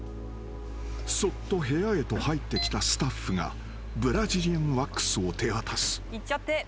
［そっと部屋へと入ってきたスタッフがブラジリアンワックスを手渡す］